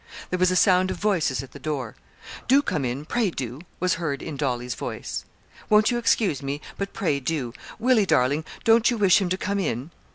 There was a sound of voices at the door. 'Do come in pray do,' was heard in Dolly's voice. 'Won't you excuse me, but pray do. Willie, darling, don't you wish him to come in?'